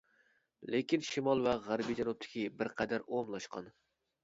لېكىن شىمال ۋە غەربىي جەنۇبتىكى بىر قەدەر ئومۇملاشقان.